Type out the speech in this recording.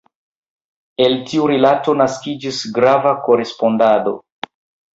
El tiu rilato naskiĝis grava korespondado.